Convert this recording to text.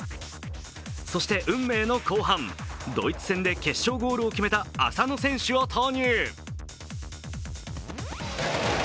そして、運命の後半ドイツ戦で決勝ゴールを決めた浅野選手を投入。